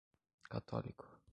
católico